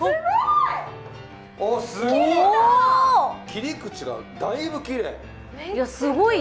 切り口がだいぶきれい！